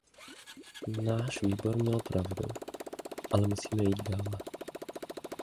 Náš výbor měl pravdu, ale musíme jít dále.